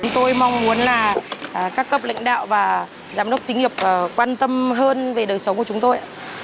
tôi mong muốn là các cấp lãnh đạo và giám đốc xí nghiệp quan tâm hơn về đời sống của chúng tôi